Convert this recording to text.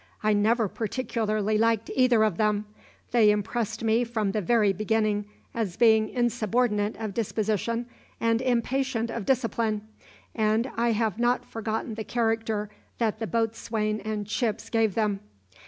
I never particularly liked either of them; they impressed me from the very beginning as being insubordinate of disposition and impatient of discipline; and I have not forgotten the character that the boatswain and Chips gave them.